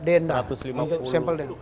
untuk sampel dna